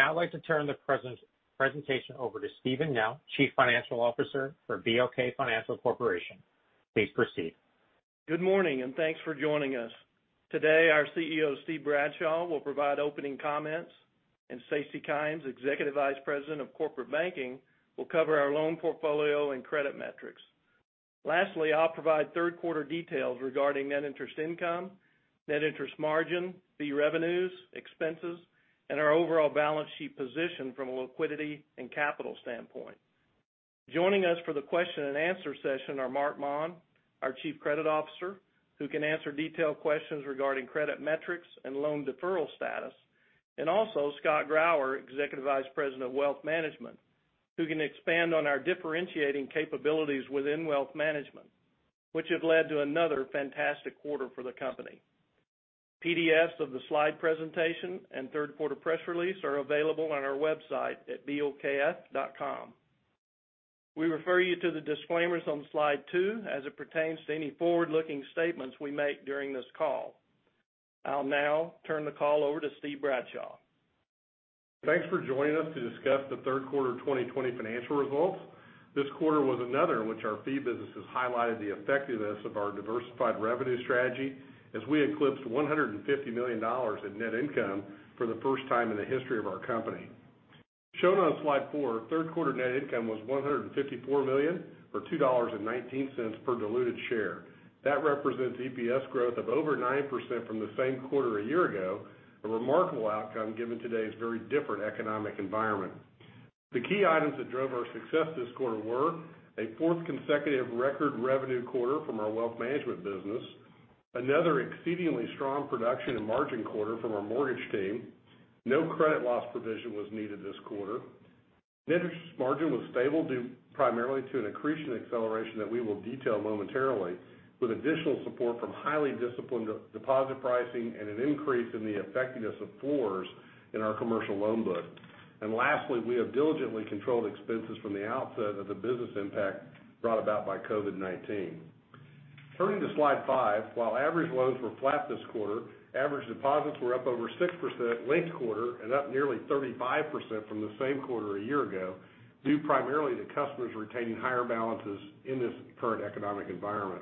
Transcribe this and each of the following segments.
Greetings. I would now like to turn the presentation over to Steven Nell, Chief Financial Officer for BOK Financial Corporation. Please proceed. Good morning, and thanks for joining us. Today, our CEO, Steve Bradshaw, will provide opening comments, and Stacy Kymes, Executive Vice President of Corporate Banking, will cover our loan portfolio and credit metrics. Lastly, I'll provide third quarter details regarding net interest income, net interest margin, fee revenues, expenses, and our overall balance sheet position from a liquidity and capital standpoint. Joining us for the question and answer session are Marc Maun, our Chief Credit Officer, who can answer detailed questions regarding credit metrics and loan deferral status, and also Scott Grauer, Executive Vice President of Wealth Management, who can expand on our differentiating capabilities within Wealth Management, which have led to another fantastic quarter for the company. PDFs of the slide presentation and third quarter press release are available on our website at bokf.com. We refer you to the disclaimers on slide two as it pertains to any forward-looking statements we make during this call. I'll now turn the call over to Steve Bradshaw. Thanks for joining us to discuss the third quarter 2020 financial results. This quarter was another in which our fee businesses highlighted the effectiveness of our diversified revenue strategy as we eclipsed $150 million in net income for the first time in the history of our company. Shown on slide four, third quarter net income was $154 million, or $2.19 per diluted share. That represents EPS growth of over 9% from the same quarter a year ago, a remarkable outcome given today's very different economic environment. The key items that drove our success this quarter were a fourth consecutive record revenue quarter from our wealth management business, another exceedingly strong production and margin quarter from our mortgage team. No credit loss provision was needed this quarter. Net interest margin was stable due primarily to an accretion acceleration that we will detail momentarily, with additional support from highly disciplined deposit pricing and an increase in the effectiveness of floors in our commercial loan book. Lastly, we have diligently controlled expenses from the outset of the business impact brought about by COVID-19. Turning to slide five, while average loans were flat this quarter, average deposits were up over 6% linked-quarter and up nearly 35% from the same quarter a year ago, due primarily to customers retaining higher balances in this current economic environment.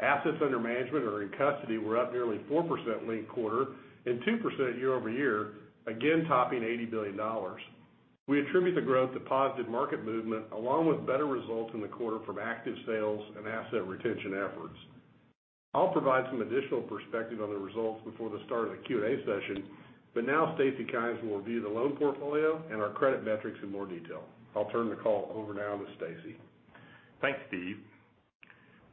Assets under management or in custody were up nearly 4% linked-quarter and 2% year-over-year, again topping $80 billion. We attribute the growth to positive market movement along with better results in the quarter from active sales and asset retention efforts. I'll provide some additional perspective on the results before the start of the Q&A session, but now Stacy Kymes will review the loan portfolio and our credit metrics in more detail. I'll turn the call over now to Stacy. Thanks, Steve.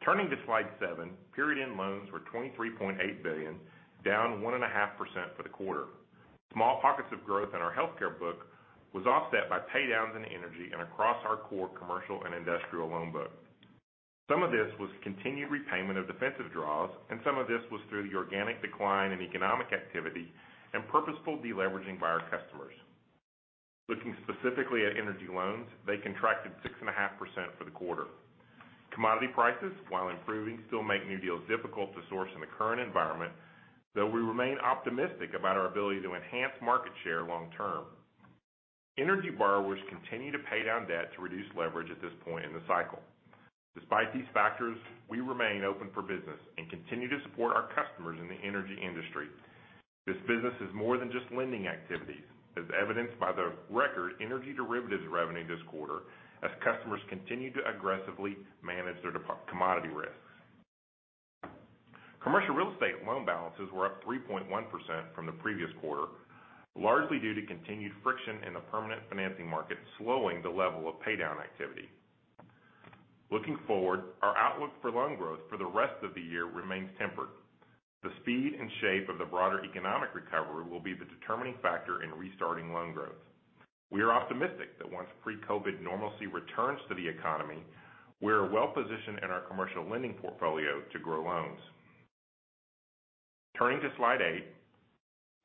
Turning to slide seven, period-end loans were $23.8 billion, down 1.5% for the quarter. Small pockets of growth in our healthcare book was offset by paydowns in energy and across our core commercial and industrial loan book. Some of this was continued repayment of defensive draws, and some of this was through the organic decline in economic activity and purposeful de-leveraging by our customers. Looking specifically at energy loans, they contracted 6.5% for the quarter. Commodity prices, while improving, still make new deals difficult to source in the current environment, though we remain optimistic about our ability to enhance market share long term. Energy borrowers continue to pay down debt to reduce leverage at this point in the cycle. Despite these factors, we remain open for business and continue to support our customers in the energy industry. This business is more than just lending activities, as evidenced by the record energy derivatives revenue this quarter as customers continue to aggressively manage their commodity risks. Commercial real estate loan balances were up 3.1% from the previous quarter, largely due to continued friction in the permanent financing market, slowing the level of paydown activity. Looking forward, our outlook for loan growth for the rest of the year remains tempered. The speed and shape of the broader economic recovery will be the determining factor in restarting loan growth. We are optimistic that once pre-COVID normalcy returns to the economy, we are well-positioned in our commercial lending portfolio to grow loans. Turning to slide eight,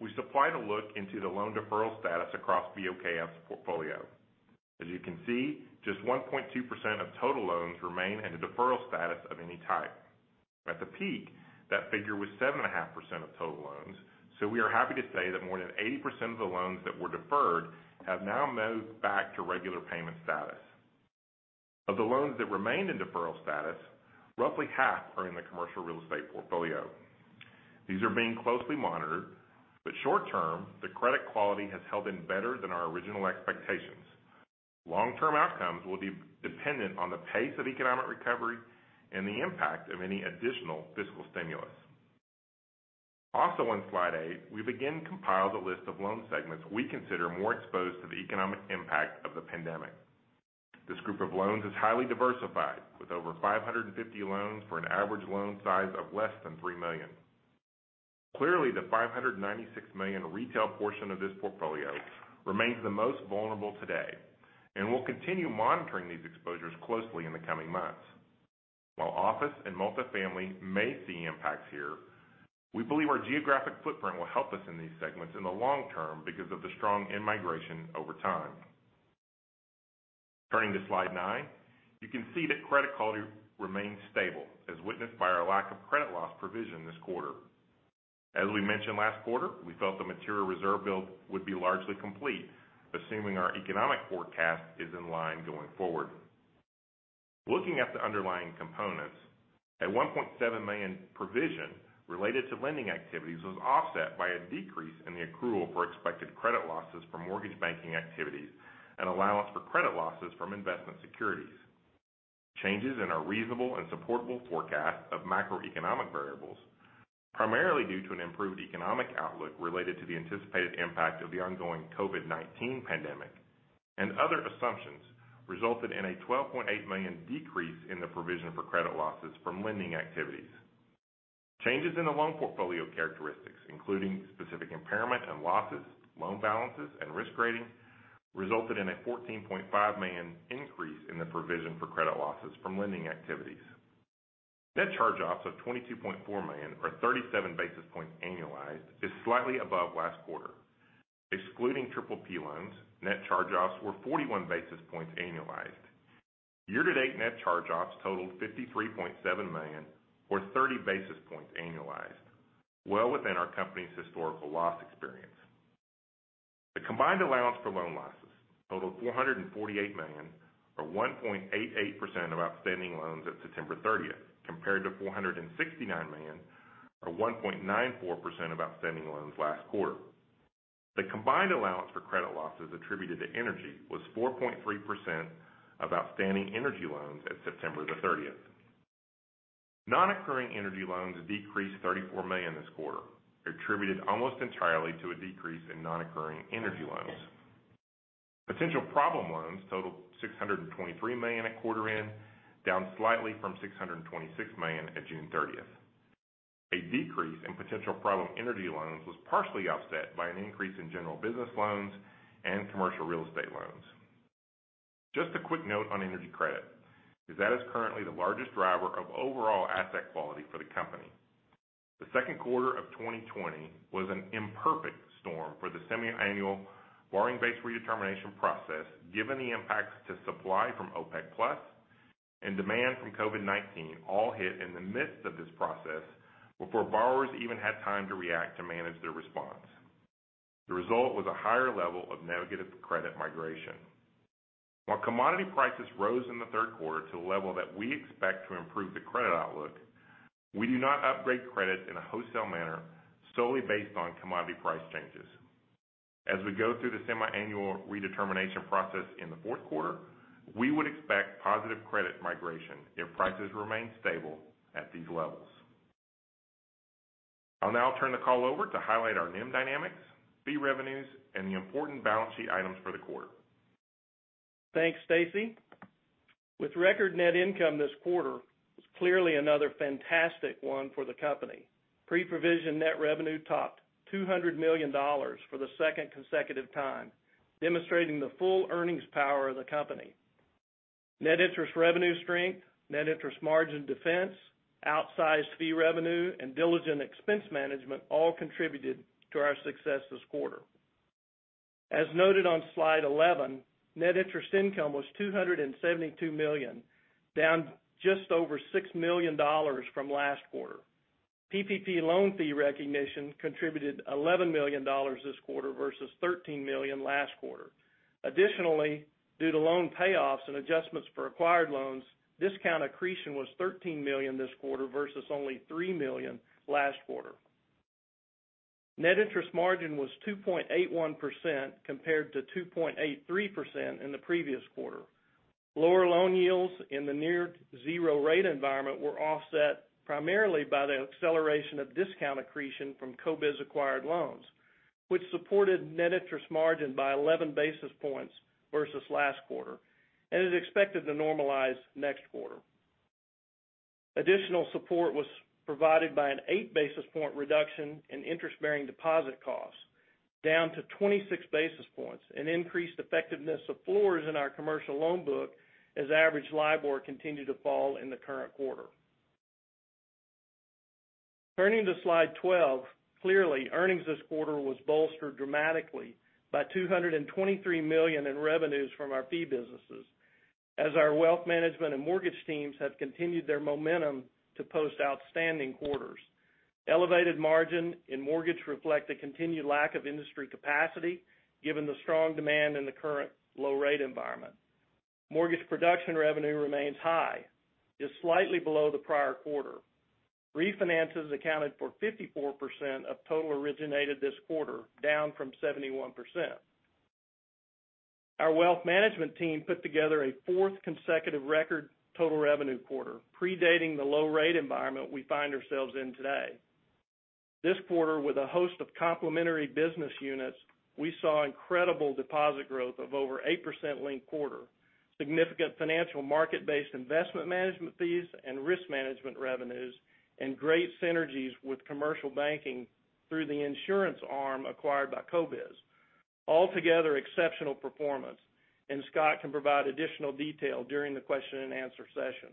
we supplied a look into the loan deferral status across BOKF's portfolio. As you can see, just 1.2% of total loans remain in a deferral status of any type. At the peak, that figure was 7.5% of total loans. We are happy to say that more than 80% of the loans that were deferred have now moved back to regular payment status. Of the loans that remain in deferral status, roughly half are in the commercial real estate portfolio. These are being closely monitored, short-term, the credit quality has held in better than our original expectations. Long-term outcomes will be dependent on the pace of economic recovery and the impact of any additional fiscal stimulus. Also on slide eight, we again compiled a list of loan segments we consider more exposed to the economic impact of the pandemic. This group of loans is highly diversified, with over 550 loans for an average loan size of less than $3 million. Clearly, the $596 million retail portion of this portfolio remains the most vulnerable today, and we'll continue monitoring these exposures closely in the coming months. While office and multifamily may see impacts here, we believe our geographic footprint will help us in these segments in the long term because of the strong in-migration over time. Turning to slide nine, you can see that credit quality remains stable, as witnessed by our lack of credit loss provision this quarter. As we mentioned last quarter, we felt the material reserve build would be largely complete, assuming our economic forecast is in line going forward. Looking at the underlying components, a $1.7 million provision related to lending activities was offset by a decrease in the accrual for expected credit losses for mortgage banking activities and allowance for credit losses from investment securities. Changes in our reasonable and supportable forecast of macroeconomic variables, primarily due to an improved economic outlook related to the anticipated impact of the ongoing COVID-19 pandemic, and other assumptions resulted in a $12.8 million decrease in the provision for credit losses from lending activities. Changes in the loan portfolio characteristics, including specific impairment and losses, loan balances, and risk rating, resulted in a $14.5 million increase in the provision for credit losses from lending activities. Net charge-offs of $22.4 million or 37 basis points annualized is slightly above last quarter. Excluding PPP loans, net charge-offs were 41 basis points annualized. Year-to-date net charge-offs totaled $53.7 million or 30 basis points annualized, well within our company's historical loss experience. The combined allowance for loan losses totaled $448 million or 1.88% of outstanding loans at September 30th, compared to $469 million or 1.94% of outstanding loans last quarter. The combined allowance for credit losses attributed to energy was 4.3% of outstanding energy loans at September the 30th. Non-accrual energy loans decreased $34 million this quarter, attributed almost entirely to a decrease in non-accrual energy loans. Potential problem loans totaled $623 million at quarter end, down slightly from $626 million at June 30th. A decrease in potential problem energy loans was partially offset by an increase in general business loans and commercial real estate loans. Just a quick note on energy credit is that is currently the largest driver of overall asset quality for the company. The second quarter of 2020 was an imperfect storm for the semiannual borrowing base redetermination process, given the impacts to supply from OPEC+ and demand from COVID-19 all hit in the midst of this process before borrowers even had time to react to manage their response. The result was a higher level of negative credit migration. While commodity prices rose in the third quarter to a level that we expect to improve the credit outlook, we do not upgrade credit in a wholesale manner solely based on commodity price changes. As we go through the semiannual redetermination process in the fourth quarter, we would expect positive credit migration if prices remain stable at these levels. I'll now turn the call over to highlight our NIM dynamics, fee revenues, and the important balance sheet items for the quarter. Thanks, Stacy. With record net income this quarter, it's clearly another fantastic one for the company. Pre-provision net revenue topped $200 million for the second consecutive time, demonstrating the full earnings power of the company. Net interest revenue strength, net interest margin defense, outsized fee revenue, and diligent expense management all contributed to our success this quarter. As noted on slide 11, net interest income was $272 million, down just over $6 million from last quarter. PPP loan fee recognition contributed $11 million this quarter versus $13 million last quarter. Additionally, due to loan payoffs and adjustments for acquired loans, discount accretion was $13 million this quarter versus only $3 million last quarter. Net interest margin was 2.81% compared to 2.83% in the previous quarter. Lower loan yields in the near zero rate environment were offset primarily by the acceleration of discount accretion from CoBiz acquired loans, which supported net interest margin by 11 basis points versus last quarter, and is expected to normalize next quarter. Additional support was provided by an eight basis point reduction in interest-bearing deposit costs, down to 26 basis points, an increased effectiveness of floors in our commercial loan book as average LIBOR continued to fall in the current quarter. Turning to slide 12, clearly, earnings this quarter was bolstered dramatically by $223 million in revenues from our fee businesses as our wealth management and mortgage teams have continued their momentum to post outstanding quarters. Elevated margin in mortgage reflect the continued lack of industry capacity, given the strong demand in the current low rate environment. Mortgage production revenue remains high, just slightly below the prior quarter. Refinances accounted for 54% of total originated this quarter, down from 71%. Our wealth management team put together a fourth consecutive record total revenue quarter, predating the low rate environment we find ourselves in today. This quarter with a host of complementary business units, we saw incredible deposit growth of over 8% linked quarter, significant financial market-based investment management fees and risk management revenues, great synergies with commercial banking through the insurance arm acquired by CoBiz. Altogether exceptional performance, Scott can provide additional detail during the question and answer session.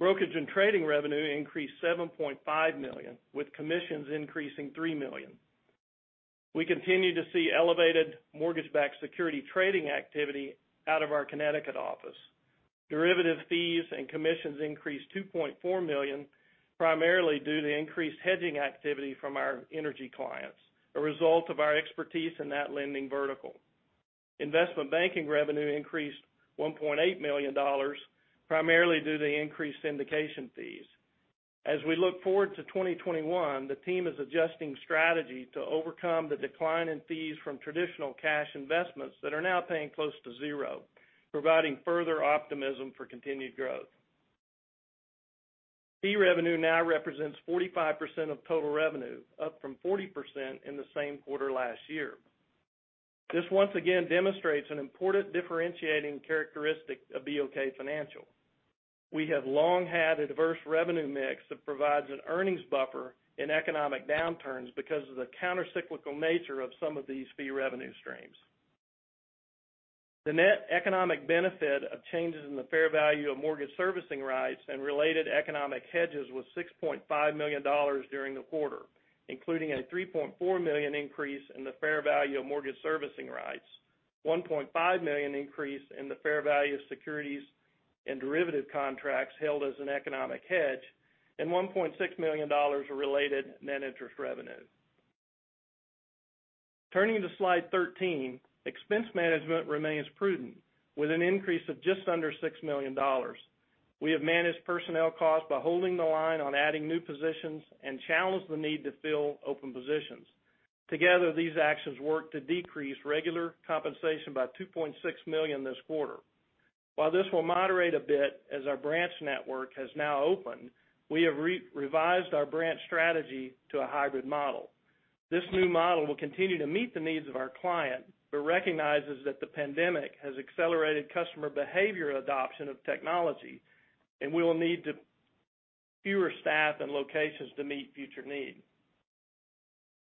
Brokerage and trading revenue increased $7.5 million, with commissions increasing $3 million. We continue to see elevated mortgage-backed security trading activity out of our Connecticut office. Derivative fees and commissions increased $2.4 million, primarily due to increased hedging activity from our energy clients, a result of our expertise in that lending vertical. Investment banking revenue increased $1.8 million, primarily due to increased syndication fees. As we look forward to 2021, the team is adjusting strategy to overcome the decline in fees from traditional cash investments that are now paying close to zero, providing further optimism for continued growth. Fee revenue now represents 45% of total revenue, up from 40% in the same quarter last year. This once again demonstrates an important differentiating characteristic of BOK Financial. We have long had a diverse revenue mix that provides an earnings buffer in economic downturns because of the counter-cyclical nature of some of these fee revenue streams. The net economic benefit of changes in the fair value of mortgage servicing rights and related economic hedges was $6.5 million during the quarter, including a $3.4 million increase in the fair value of mortgage servicing rights, $1.5 million increase in the fair value of securities and derivative contracts held as an economic hedge, and $1.6 million of related net interest revenue. Turning to slide 13, expense management remains prudent with an increase of just under $6 million. We have managed personnel costs by holding the line on adding new positions and challenged the need to fill open positions. Together, these actions work to decrease regular compensation by $2.6 million this quarter. While this will moderate a bit as our branch network has now opened, we have revised our branch strategy to a hybrid model. This new model will continue to meet the needs of our client but recognizes that the pandemic has accelerated customer behavior adoption of technology, and we will need fewer staff and locations to meet future needs.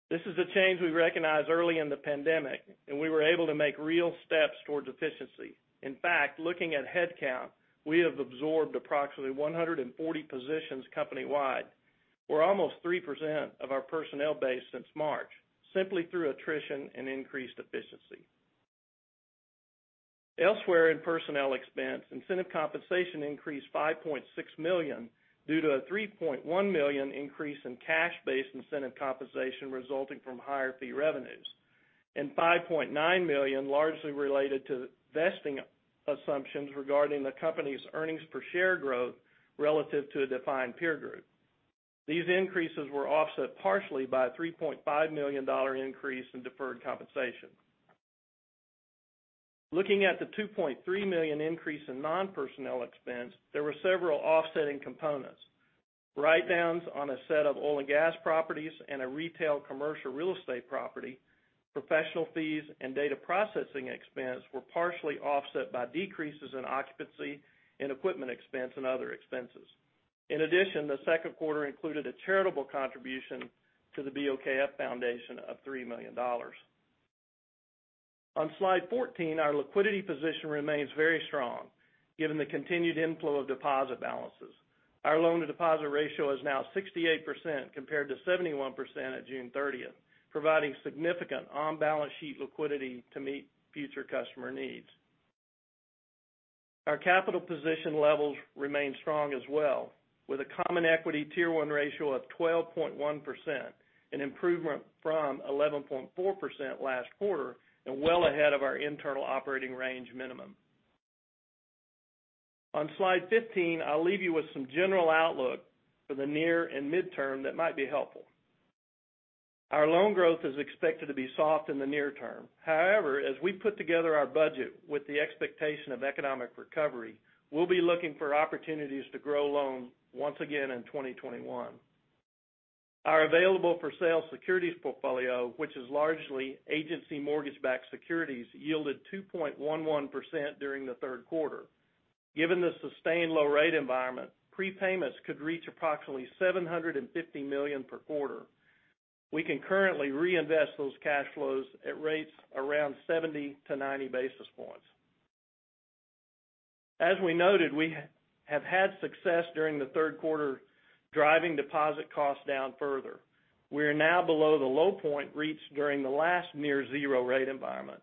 This is a change we recognized early in the pandemic, we were able to make real steps towards efficiency. In fact, looking at head count, we have absorbed approximately 140 positions company wide. We're almost 3% of our personnel base since March, simply through attrition and increased efficiency. Elsewhere in personnel expense, incentive compensation increased $5.6 million due to a $3.1 million increase in cash-based incentive compensation resulting from higher fee revenues, and $5.9 million largely related to vesting assumptions regarding the company's earnings per share growth relative to a defined peer group. These increases were offset partially by a $3.5 million increase in deferred compensation. Looking at the $2.3 million increase in non-personnel expense, there were several offsetting components. Write-downs on a set of oil and gas properties and a retail commercial real estate property, professional fees and data processing expense were partially offset by decreases in occupancy and equipment expense and other expenses. The second quarter included a charitable contribution to the BOKF Foundation of $3 million. On slide 14, our liquidity position remains very strong given the continued inflow of deposit balances. Our loan-to-deposit ratio is now 68% compared to 71% at June 30th, providing significant on-balance sheet liquidity to meet future customer needs. Our capital position levels remain strong as well, with a Common Equity Tier 1 ratio of 12.1%, an improvement from 11.4% last quarter and well ahead of our internal operating range minimum. On slide 15, I'll leave you with some general outlook for the near and midterm that might be helpful. Our loan growth is expected to be soft in the near term. However, as we put together our budget with the expectation of economic recovery, we'll be looking for opportunities to grow loans once again in 2021. Our available-for-sale securities portfolio, which is largely agency mortgage-backed securities, yielded 2.11% during the third quarter. Given the sustained low rate environment, prepayments could reach approximately $750 million per quarter. We can currently reinvest those cash flows at rates around 70 to 90 basis points. As we noted, we have had success during the third quarter driving deposit costs down further. We are now below the low point reached during the last near zero rate environment.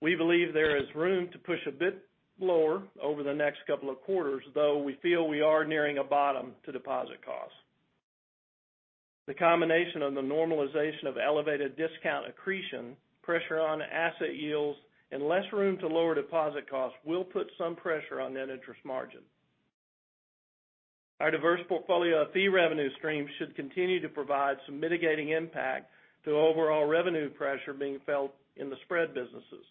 We believe there is room to push a bit lower over the next couple of quarters, though we feel we are nearing a bottom to deposit costs. The combination of the normalization of elevated discount accretion, pressure on asset yields, and less room to lower deposit costs will put some pressure on net interest margin. Our diverse portfolio of fee revenue streams should continue to provide some mitigating impact to overall revenue pressure being felt in the spread businesses.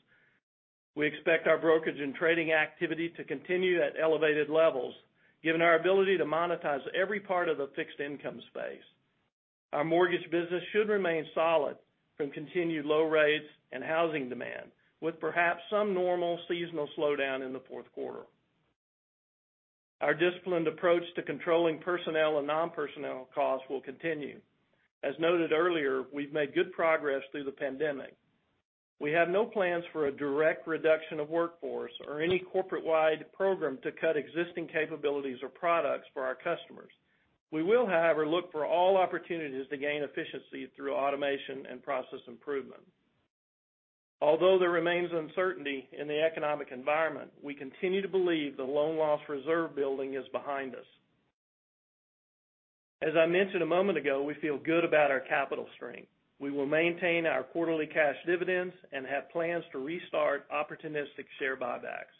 We expect our brokerage and trading activity to continue at elevated levels, given our ability to monetize every part of the fixed income space. Our mortgage business should remain solid from continued low rates and housing demand, with perhaps some normal seasonal slowdown in the fourth quarter. Our disciplined approach to controlling personnel and non-personnel costs will continue. As noted earlier, we've made good progress through the pandemic. We have no plans for a direct reduction of workforce or any corporate-wide program to cut existing capabilities or products for our customers. We will, however, look for all opportunities to gain efficiency through automation and process improvement. Although there remains uncertainty in the economic environment, we continue to believe the loan loss reserve building is behind us. As I mentioned a moment ago, we feel good about our capital strength. We will maintain our quarterly cash dividends and have plans to restart opportunistic share buybacks.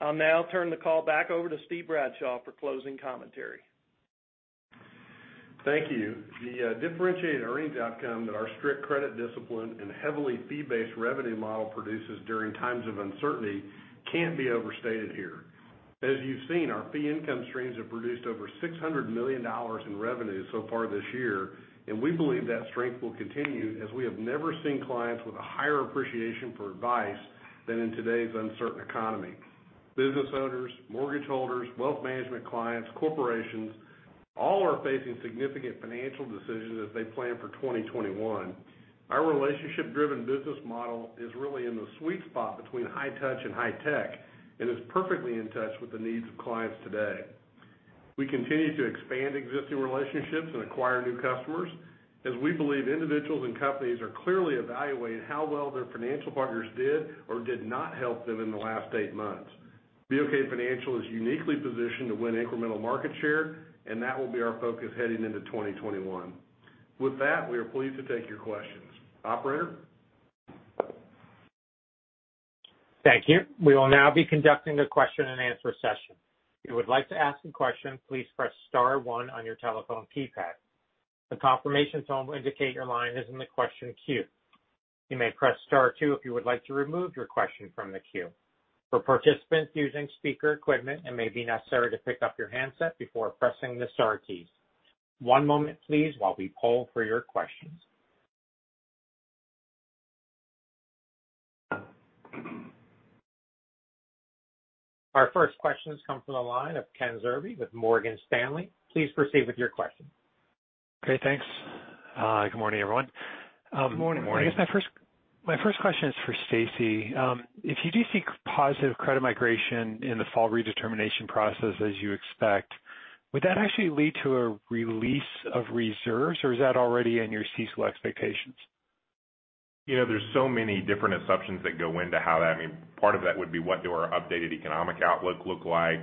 I'll now turn the call back over to Steve Bradshaw for closing commentary. Thank you. The differentiated earnings outcome that our strict credit discipline and heavily fee-based revenue model produces during times of uncertainty can't be overstated here. As you've seen, our fee income streams have produced over $600 million in revenue so far this year, and we believe that strength will continue as we have never seen clients with a higher appreciation for advice than in today's uncertain economy. Business owners, mortgage holders, wealth management clients, corporations, all are facing significant financial decisions as they plan for 2021. Our relationship-driven business model is really in the sweet spot between high touch and high tech, and is perfectly in touch with the needs of clients today. We continue to expand existing relationships and acquire new customers, as we believe individuals and companies are clearly evaluating how well their financial partners did or did not help them in the last eight months. BOK Financial is uniquely positioned to win incremental market share, and that will be our focus heading into 2021. With that, we are pleased to take your questions. Operator? Thank you. We will now be conducting a question and answer session. If you would like to ask a question, please press star one on your telephone keypad. The confirmation tone will indicate your line is in the question queue. You may press star two if you would like to remove your question from the queue. For participants using speaker equipment, it may be necessary to pick up your handset before pressing the star keys. One moment, please, while we poll for your questions. Our first question comes from the line of Ken Zerbe with Morgan Stanley. Please proceed with your question. Great, thanks. Good morning, everyone. Good morning. Morning. I guess my first question is for Stacy. If you do see positive credit migration in the fall redetermination process as you expect, would that actually lead to a release of reserves, or is that already in your CECL expectations? There's so many different assumptions that go into how that. Part of that would be what do our updated economic outlook look like,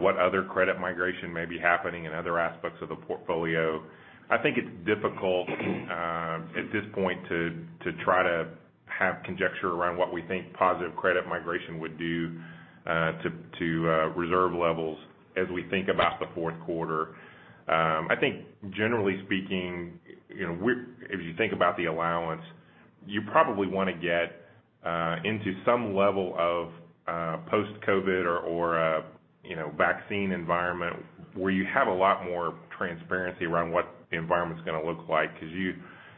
what other credit migration may be happening in other aspects of the portfolio. I think it's difficult at this point to try to have conjecture around what we think positive credit migration would do to reserve levels as we think about the fourth quarter. I think generally speaking, if you think about the allowance, you probably want to get into some level of post-COVID or a vaccine environment where you have a lot more transparency around what the environment's going to look like. You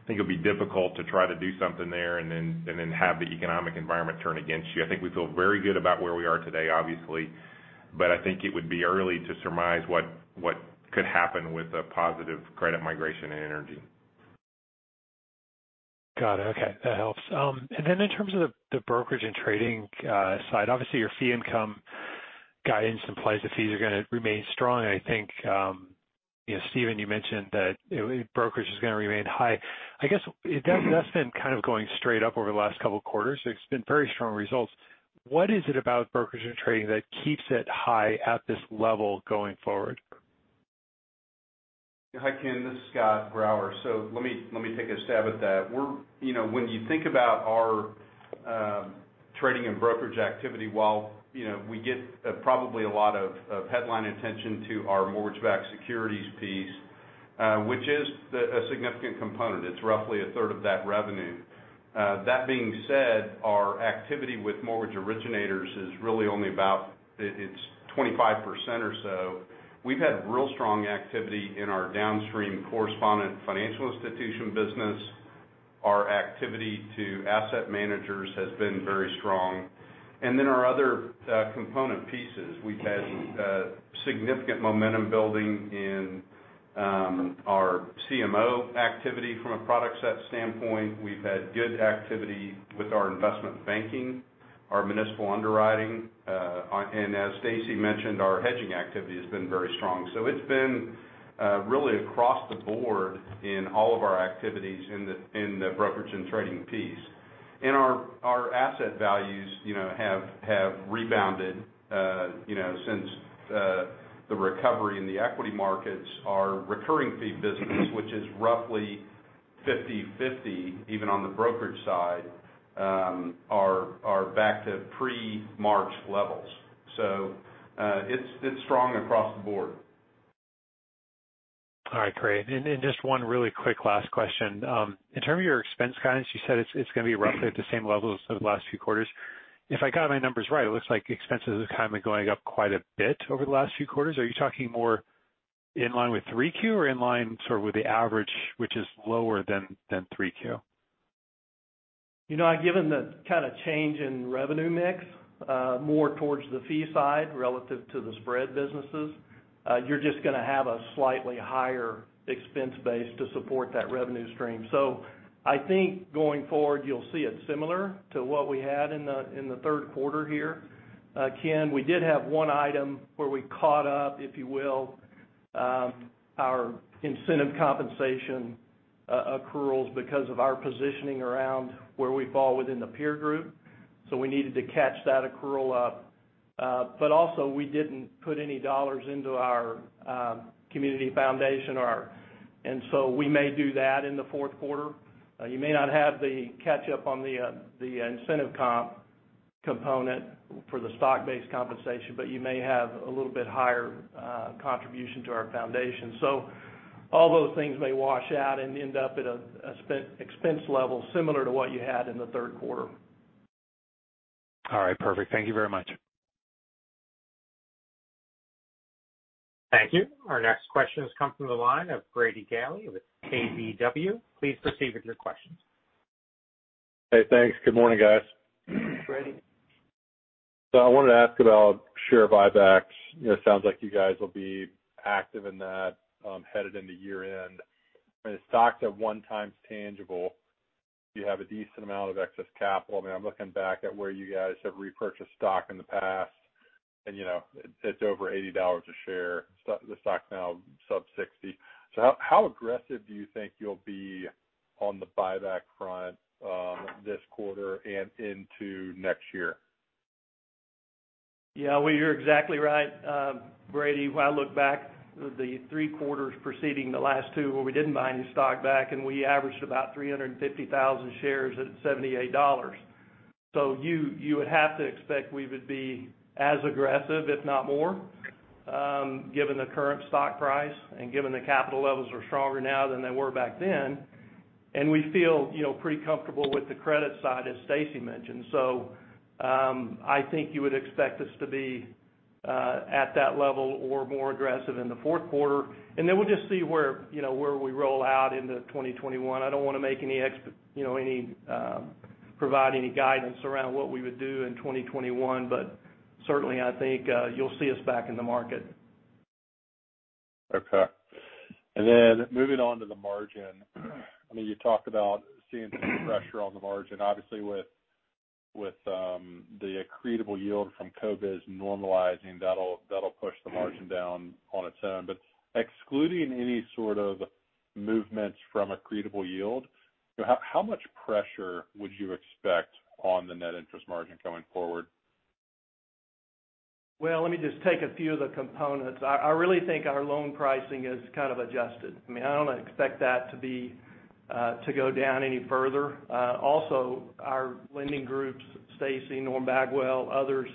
think it'll be difficult to try to do something there and then have the economic environment turn against you. I think we feel very good about where we are today, obviously, but I think it would be early to surmise what could happen with a positive credit migration in energy. Got it. Okay. That helps. Then in terms of the brokerage and trading side, obviously, your fee income guidance implies the fees are going to remain strong. I think, Steven, you mentioned that brokerage is going to remain high. I guess that's been kind of going straight up over the last couple of quarters. It's been very strong results. What is it about brokerage and trading that keeps it high at this level going forward? Hi, Ken. This is Scott Grauer. Let me take a stab at that. When you think about our trading and brokerage activity, while we get probably a lot of headline attention to our mortgage-backed securities piece, which is a significant component. It's roughly a third of that revenue. That being said, our activity with mortgage originators is really only about 25% or so. We've had real strong activity in our downstream correspondent financial institution business. Our activity to asset managers has been very strong. Our other component pieces, we've had significant momentum building in our CMO activity from a product set standpoint. We've had good activity with our investment banking, our municipal underwriting, and as Stacy mentioned, our hedging activity has been very strong. It's been really across the board in all of our activities in the brokerage and trading piece. Our asset values have rebounded since the recovery in the equity markets, our recurring fee business, which is roughly 50/50, even on the brokerage side, are back to pre-March levels. It's strong across the board. All right, great. Just one really quick last question. In terms of your expense guidance, you said it's going to be roughly at the same levels as the last few quarters. If I got my numbers right, it looks like expenses have kind of been going up quite a bit over the last few quarters. Are you talking more in line with Q3 or in line sort of with the average, which is lower than Q3? Given the change in revenue mix, more towards the fee side relative to the spread businesses, you're just going to have a slightly higher expense base to support that revenue stream. I think going forward, you'll see it similar to what we had in the third quarter here. Ken, we did have one item where we caught up, if you will, our incentive compensation accruals because of our positioning around where we fall within the peer group. We needed to catch that accrual up. We didn't put any dollars into our BOKF Foundation. We may do that in the fourth quarter. You may not have the catch up on the incentive comp component for the stock-based compensation, but you may have a little bit higher contribution to our foundation. All those things may wash out and end up at an expense level similar to what you had in the third quarter. All right, perfect. Thank you very much. Thank you. Our next question has come from the line of Brady Gailey with KBW. Please proceed with your questions. Hey, thanks. Good morning, guys. I wanted to ask about share buybacks. It sounds like you guys will be active in that headed into year end. The stock's at one times tangible. You have a decent amount of excess capital. I'm looking back at where you guys have repurchased stock in the past, and it's over $80 a share. The stock now sub 60. How aggressive do you think you'll be on the buyback front this quarter and into next year? Yeah. You're exactly right, Brady. When I look back the three quarters preceding the last two where we didn't buy any stock back and we averaged about 350,000 shares at $78. You would have to expect we would be as aggressive, if not more, given the current stock price and given the capital levels are stronger now than they were back then. We feel pretty comfortable with the credit side, as Stacy mentioned. I think you would expect us to be at that level or more aggressive in the fourth quarter, and then we'll just see where we roll out into 2021. I don't want to provide any guidance around what we would do in 2021, but certainly, I think you'll see us back in the market. Okay. Moving on to the margin. You talked about seeing some pressure on the margin, obviously with the accretable yield from CoBiz normalizing, that'll push the margin down on its own. Excluding any sort of movements from accretable yield, how much pressure would you expect on the net interest margin going forward? Let me just take a few of the components. I really think our loan pricing is kind of adjusted. I don't expect that to go down any further. Our lending groups, Stacy, Norm Bagwell, others,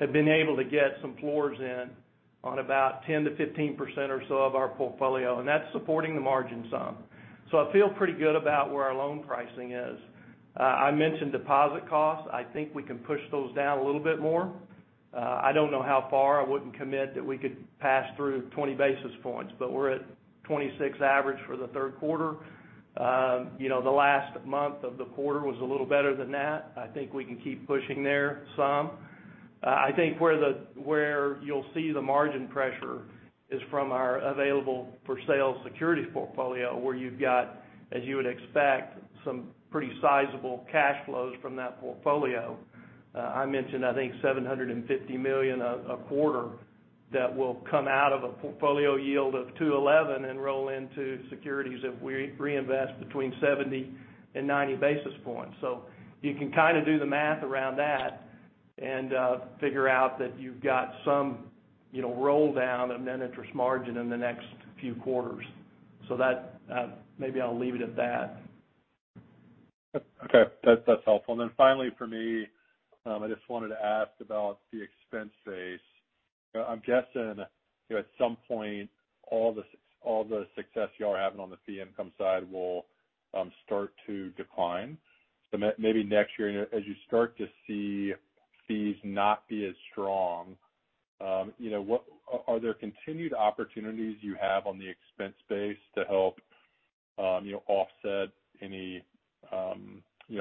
have been able to get some floors in on about 10%-15% or so of our portfolio, and that's supporting the margin some. I feel pretty good about where our loan pricing is. I mentioned deposit costs. I think we can push those down a little bit more. I don't know how far. I wouldn't commit that we could pass through 20 basis points, but we're at 26 basis points average for the third quarter. The last month of the quarter was a little better than that. I think we can keep pushing there some. I think where you'll see the margin pressure is from our available-for-sale securities portfolio, where you've got, as you would expect, some pretty sizable cash flows from that portfolio. I mentioned, I think, $750 million a quarter that will come out of a portfolio yield of 211 and roll into securities if we reinvest between 70 and 90 basis points. You can do the math around that and figure out that you've got some roll down of net interest margin in the next few quarters. Maybe I'll leave it at that. Okay. That's helpful. Finally for me, I just wanted to ask about the expense base. I'm guessing, at some point, all the success you all are having on the fee income side will start to decline. Maybe next year as you start to see fees not be as strong, are there continued opportunities you have on the expense base to help offset any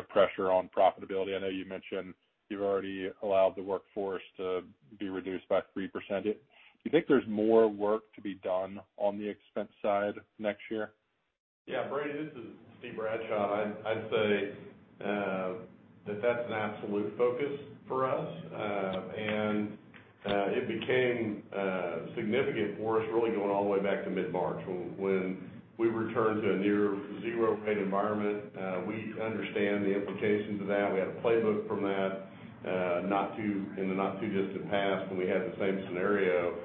pressure on profitability? I know you mentioned you've already allowed the workforce to be reduced by 3%. Do you think there's more work to be done on the expense side next year? Yeah, Brady, this is Steve Bradshaw. I'd say that's an absolute focus for us. It became significant for us really going all the way back to mid-March when we returned to a near zero rate environment. We understand the implications of that. We had a playbook from that in the not too distant past when we had the same scenario.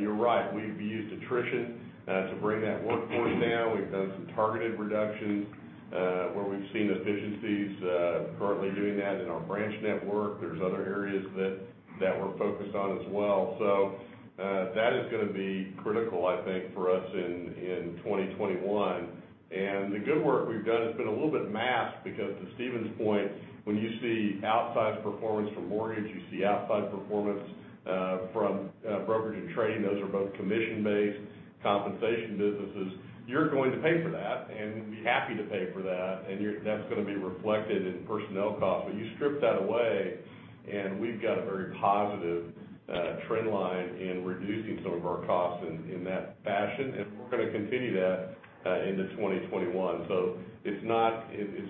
You're right, we've used attrition to bring that workforce down. We've done some targeted reductions where we've seen efficiencies currently doing that in our branch network. There's other areas that we're focused on as well. That is going to be critical, I think, for us in 2021. The good work we've done has been a little bit masked because, to Steven's point, when you see outsized performance from mortgage, you see outsized performance from brokerage and trade, and those are both commission-based compensation businesses. You're going to pay for that, and we'll be happy to pay for that, and that's going to be reflected in personnel costs. You strip that away, and we've got a very positive trend line in reducing some of our costs in that fashion, and we're going to continue that into 2021. It's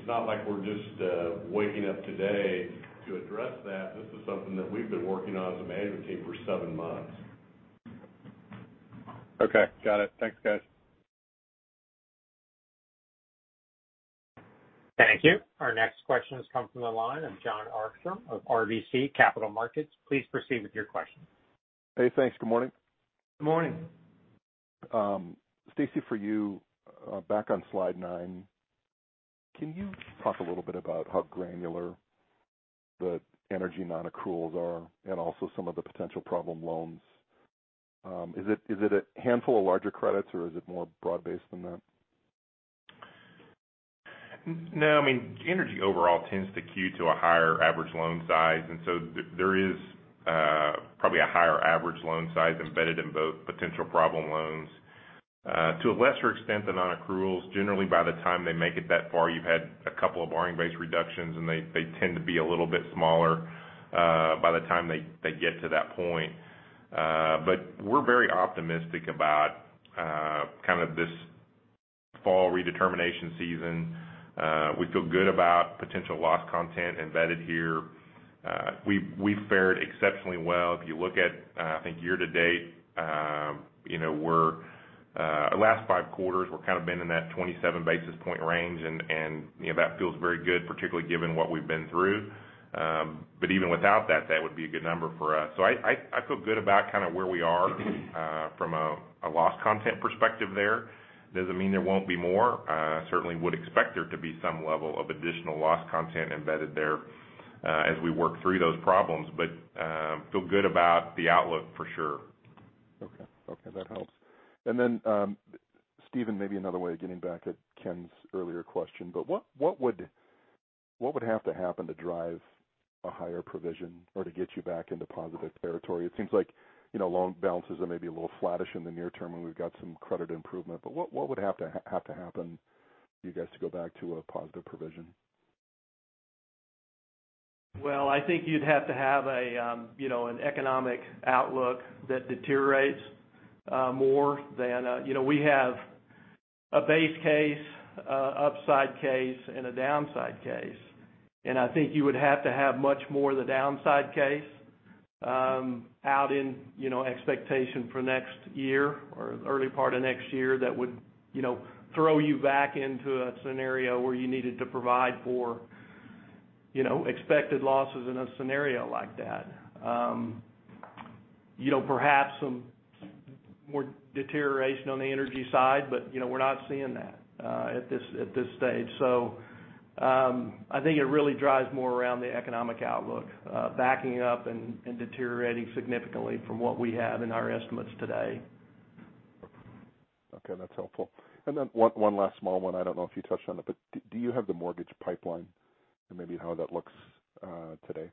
not like we're just waking up today to address that. This is something that we've been working on as a management team for seven months. Okay, got it. Thanks, guys. Thank you. Our next question has come from the line of Jon Arfstrom of RBC Capital Markets. Please proceed with your question. Hey, thanks. Good morning. Good morning. Stacy, for you, back on slide nine, can you talk a little bit about how granular the energy non-accruals are and also some of the potential problem loans? Is it a handful of larger credits, or is it more broad-based than that? No, energy overall tends to queue to a higher average loan size, and so there is probably a higher average loan size embedded in both potential problem loans. To a lesser extent, the non-accruals, generally by the time they make it that far, you've had a couple of borrowing base redeterminations, and they tend to be a little bit smaller by the time they get to that point. We're very optimistic about this fall redetermination season. We feel good about potential loss content embedded here. We've fared exceptionally well. If you look at, I think year-to-date, our last five quarters, we've kind of been in that 27 basis point range, and that feels very good, particularly given what we've been through. Even without that would be a good number for us. So I feel good about where we are from a loss content perspective there. Doesn't mean there won't be more. Certainly would expect there to be some level of additional loss content embedded there as we work through those problems. Feel good about the outlook for sure. Okay. That helps. Steven, maybe another way of getting back at Ken's earlier question, what would have to happen to drive a higher provision or to get you back into positive territory? It seems like loan balances are maybe a little flattish in the near term and we've got some credit improvement, what would have to happen for you guys to go back to a positive provision? Well, I think you'd have to have an economic outlook that deteriorates. We have a base case, upside case, and a downside case. I think you would have to have much more of the downside case out in expectation for next year or the early part of next year that would throw you back into a scenario where you needed to provide for expected losses in a scenario like that. Perhaps some more deterioration on the energy side, we're not seeing that at this stage. I think it really drives more around the economic outlook, backing up and deteriorating significantly from what we have in our estimates today. Okay, that's helpful. One last small one. I don't know if you touched on it, but do you have the mortgage pipeline and maybe how that looks today?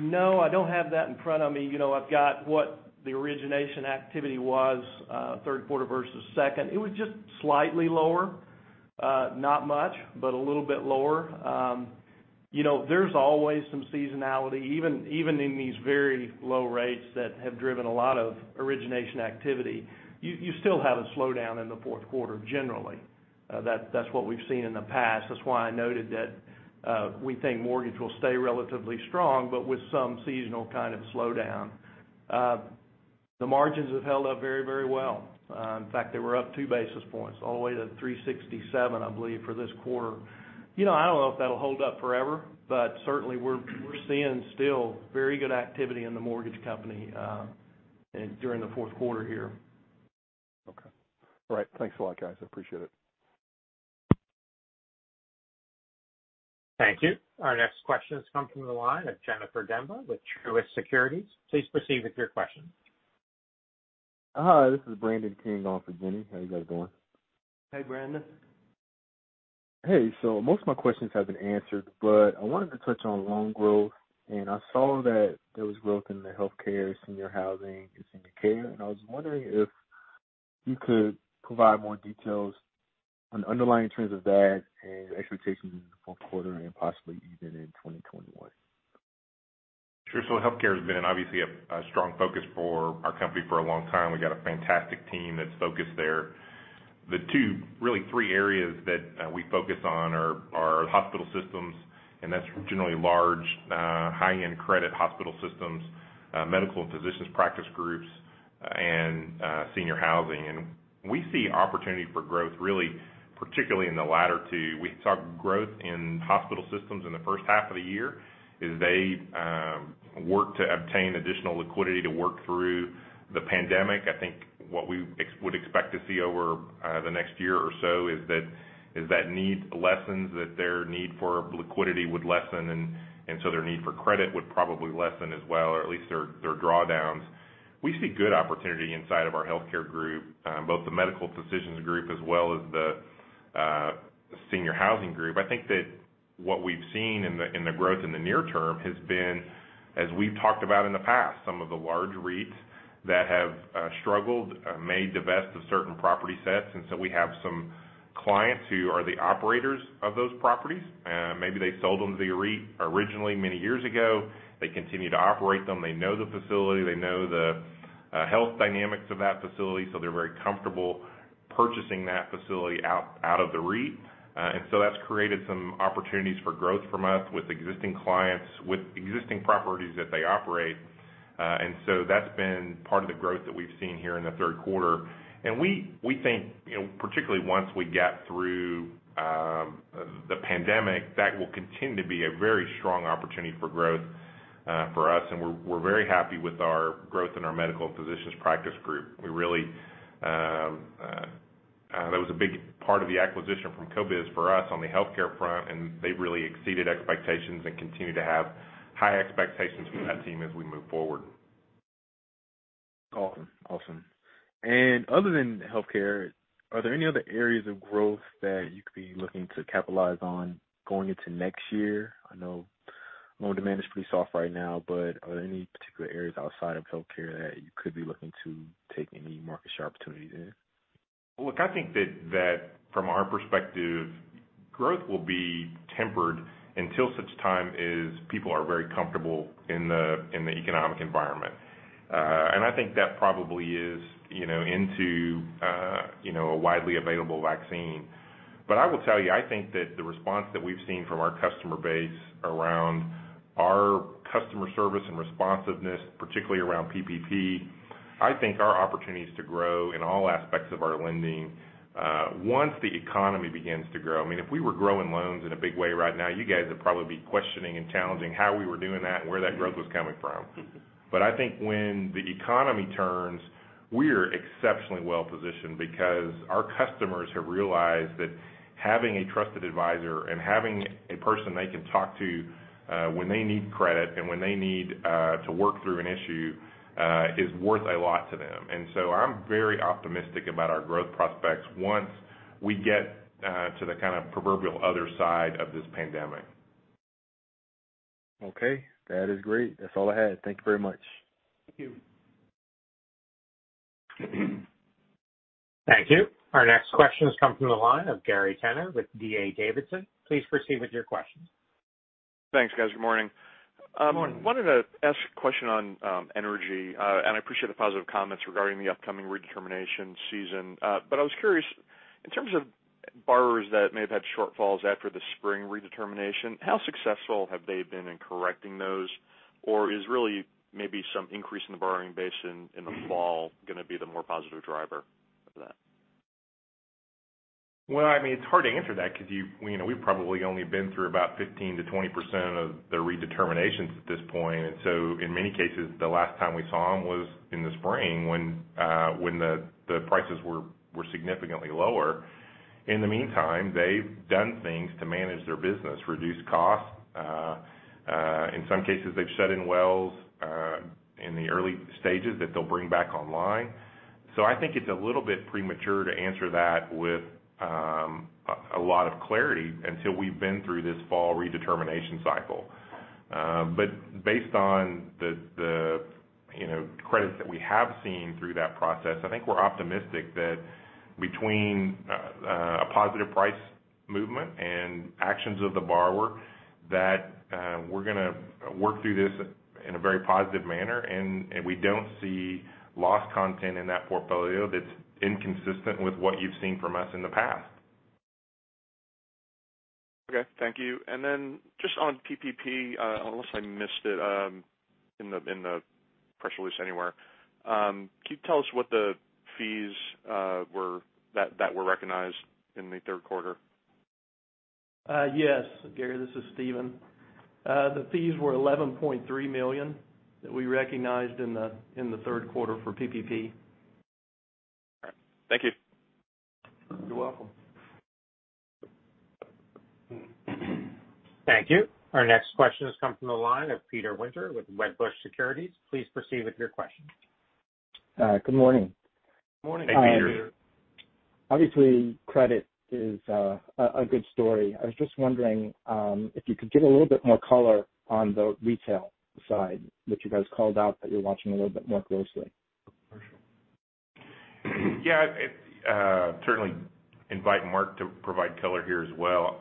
No, I don't have that in front of me. I've got what the origination activity was, third quarter versus second. It was just slightly lower. Not much, but a little bit lower. There's always some seasonality. Even in these very low rates that have driven a lot of origination activity, you still have a slowdown in the fourth quarter, generally. That's what we've seen in the past. That's why I noted that we think mortgage will stay relatively strong, but with some seasonal kind of slowdown. The margins have held up very well. In fact, they were up two basis points all the way to 367, I believe, for this quarter. I don't know if that'll hold up forever, but certainly we're seeing still very good activity in the mortgage company during the fourth quarter here. Okay. All right. Thanks a lot, guys. I appreciate it. Thank you. Our next question has come from the line of Jennifer Demba with Truist Securities. Please proceed with your question. Hi, this is Brandon King on for Jenny. How you guys doing? Hey, Brandon. Hey. Most of my questions have been answered, but I wanted to touch on loan growth, and I saw that there was growth in the healthcare, senior housing, and senior care, and I was wondering if you could provide more details on the underlying trends of that and expectations in the fourth quarter and possibly even in 2021. Sure. Healthcare has been obviously a strong focus for our company for a long time. We've got a fantastic team that's focused there. The three areas that we focus on are hospital systems, and that's generally large, high-end credit hospital systems, medical and physicians practice groups, and senior housing. We see opportunity for growth really Particularly in the latter two. We saw growth in hospital systems in the first half of the year as they worked to obtain additional liquidity to work through the pandemic. I think what we would expect to see over the next year or so is that need lessens, that their need for liquidity would lessen, and so their need for credit would probably lessen as well, or at least their drawdowns. We see good opportunity inside of our healthcare group, both the medical physicians group as well as the senior housing group. I think that what we've seen in the growth in the near term has been, as we've talked about in the past, some of the large REITs that have struggled may divest of certain property sets. We have some clients who are the operators of those properties. Maybe they sold them to the REIT originally many years ago. They continue to operate them. They know the facility. They know the health dynamics of that facility, so they're very comfortable purchasing that facility out of the REIT. That's created some opportunities for growth from us with existing clients, with existing properties that they operate. That's been part of the growth that we've seen here in the third quarter. We think, particularly once we get through the pandemic, that will continue to be a very strong opportunity for growth for us, and we're very happy with our growth in our medical physicians practice group. That was a big part of the acquisition from CoBiz for us on the healthcare front, and they've really exceeded expectations and continue to have high expectations for that team as we move forward. Awesome. Other than healthcare, are there any other areas of growth that you could be looking to capitalize on going into next year? I know loan demand is pretty soft right now, are there any particular areas outside of healthcare that you could be looking to take any market share opportunity there? Look, I think that from our perspective, growth will be tempered until such time as people are very comfortable in the economic environment. I think that probably is into a widely available vaccine. I will tell you, I think that the response that we've seen from our customer base around our customer service and responsiveness, particularly around PPP, I think our opportunity is to grow in all aspects of our lending once the economy begins to grow. If we were growing loans in a big way right now, you guys would probably be questioning and challenging how we were doing that and where that growth was coming from. I think when the economy turns, we're exceptionally well-positioned because our customers have realized that having a trusted advisor and having a person they can talk to when they need credit and when they need to work through an issue is worth a lot to them. I'm very optimistic about our growth prospects once we get to the kind of proverbial other side of this pandemic. Okay. That is great. That's all I had. Thank you very much. Thank you. Thank you. Our next question has come from the line of Gary Tenner with D.A. Davidson. Please proceed with your questions. Thanks, guys. Good morning. Good morning. Wanted to ask a question on energy. I appreciate the positive comments regarding the upcoming redetermination season. I was curious, in terms of borrowers that may have had shortfalls after the spring redetermination, how successful have they been in correcting those? Is really maybe some increase in the borrowing base in the fall going to be the more positive driver of that? It's hard to answer that because we've probably only been through about 15%-20% of the redeterminations at this point. In many cases, the last time we saw them was in the spring when the prices were significantly lower. In the meantime, they've done things to manage their business, reduce costs. In some cases, they've shut in wells in the early stages that they'll bring back online. I think it's a little bit premature to answer that with a lot of clarity until we've been through this fall redetermination cycle. Based on the credits that we have seen through that process, I think we're optimistic that between a positive price movement and actions of the borrower, that we're going to work through this in a very positive manner. We don't see loss content in that portfolio that's inconsistent with what you've seen from us in the past. Okay. Thank you. Just on PPP, unless I missed it in the press release anywhere, can you tell us what the fees that were recognized in the third quarter? Yes, Gary, this is Steven. The fees were $11.3 million that we recognized in the third quarter for PPP. All right. Thank you. You're welcome. Thank you. Our next question has come from the line of Peter Winter with Wedbush Securities. Please proceed with your question. Good morning. Morning. Hey, Peter. Obviously, credit is a good story. I was just wondering if you could give a little bit more color on the retail side, which you guys called out that you're watching a little bit more closely. Yeah. Certainly invite Marc to provide color here as well.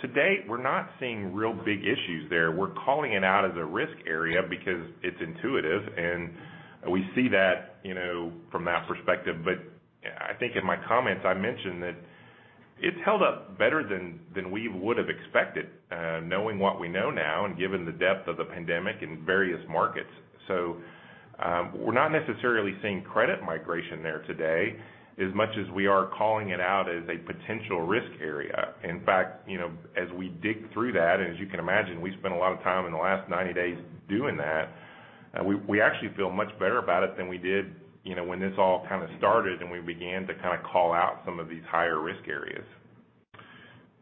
To date, we're not seeing real big issues there. We're calling it out as a risk area because it's intuitive, and we see that from that perspective. I think in my comments, I mentioned that it's held up better than we would have expected, knowing what we know now and given the depth of the pandemic in various markets. We're not necessarily seeing credit migration there today, as much as we are calling it out as a potential risk area. In fact, as we dig through that, and as you can imagine, we spent a lot of time in the last 90 days doing that, we actually feel much better about it than we did when this all started, and we began to call out some of these higher risk areas.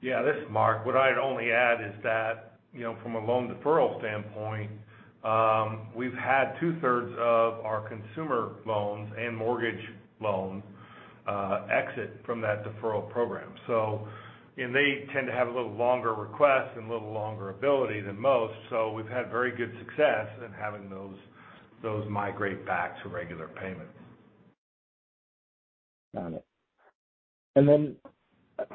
Yeah, this is Marc. What I'd only add is that from a loan deferral standpoint, we've had two-thirds of our consumer loans and mortgage loans exit from that deferral program. They tend to have a little longer request and a little longer ability than most. We've had very good success in having those migrate back to regular payments. Got it.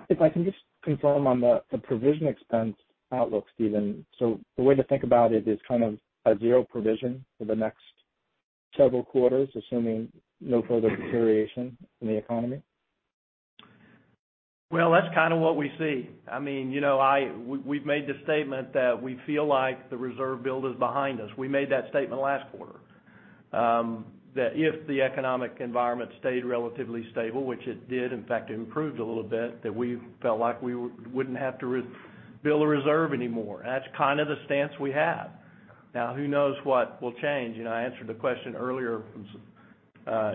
If I can just confirm on the provision expense outlook, Steven. The way to think about it is kind of a zero provision for the next several quarters, assuming no further deterioration in the economy? That's kind of what we see. We've made the statement that we feel like the reserve build is behind us. We made that statement last quarter, that if the economic environment stayed relatively stable, which it did, in fact, it improved a little bit, that we felt like we wouldn't have to build a reserve anymore. That's kind of the stance we have. Now, who knows what will change? I answered the question earlier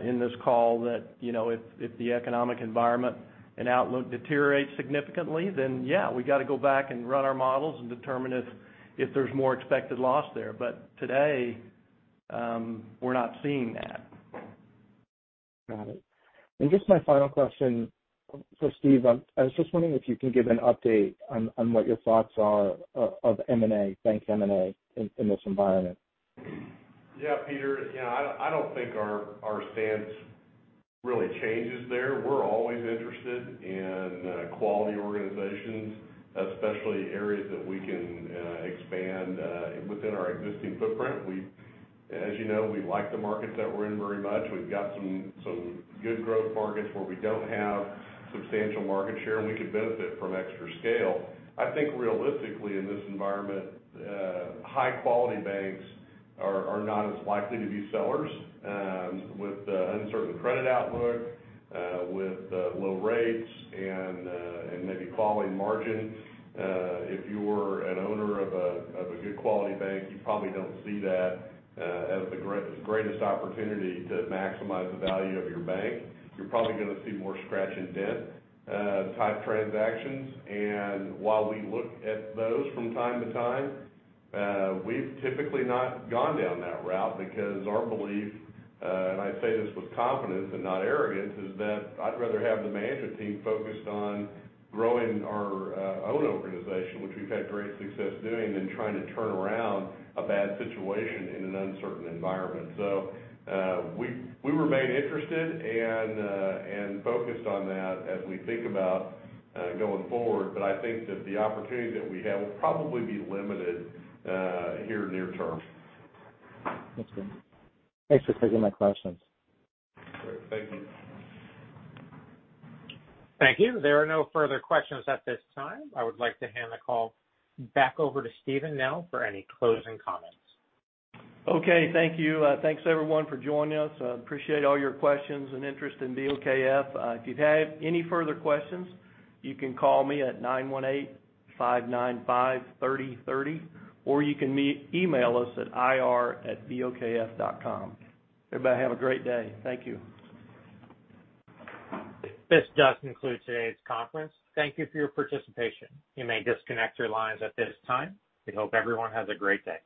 in this call that if the economic environment and outlook deteriorates significantly, then yeah, we got to go back and run our models and determine if there's more expected loss there. Today, we're not seeing that. Got it. Just my final question for Steve. I was just wondering if you can give an update on what your thoughts are of M&A, bank M&A, in this environment. Yeah, Peter, I don't think our stance really changes there. We're always interested in quality organizations, especially areas that we can expand within our existing footprint. As you know, we like the markets that we're in very much. We've got some good growth markets where we don't have substantial market share, and we could benefit from extra scale. I think realistically, in this environment, high-quality banks are not as likely to be sellers with the uncertain credit outlook, with low rates and maybe falling margins. If you were an owner of a good quality bank, you probably don't see that as the greatest opportunity to maximize the value of your bank. You're probably going to see more scratch-and-dent type transactions. While we look at those from time to time, we've typically not gone down that route because our belief, and I say this with confidence and not arrogance, is that I'd rather have the management team focused on growing our own organization, which we've had great success doing, than trying to turn around a bad situation in an uncertain environment. We remain interested and focused on that as we think about going forward. I think that the opportunity that we have will probably be limited here near-term. That's good. Thanks for taking my questions. Great. Thank you. Thank you. There are no further questions at this time. I would like to hand the call back over to Steven now for any closing comments. Okay. Thank you. Thanks everyone for joining us. I appreciate all your questions and interest in BOKF. If you have any further questions, you can call me at 918-595-3030, or you can email us at ir@bokf.com. Everybody have a great day. Thank you. This does conclude today's conference. Thank you for your participation. You may disconnect your lines at this time. We hope everyone has a great day.